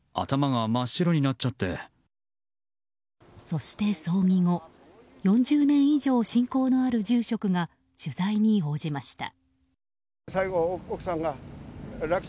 そして葬儀後４０年以上親交のある住職が取材に応じました。